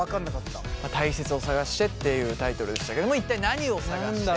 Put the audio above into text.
「たいせつを探して」っていうタイトルでしたけども一体何を探して。